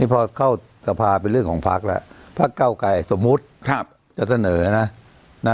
พอเข้าสภาเป็นเรื่องของพักแล้วพักเก้าไกรสมมุติจะเสนอนะ